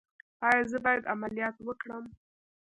ایا زه باید عملیات وکړم؟